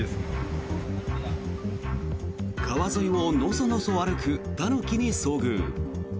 川沿いをのそのそ歩くタヌキに遭遇。